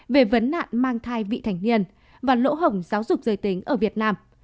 về vấn nạn mang thai vị thành niên và lỗ hổng giáo dục giới tính ở việt nam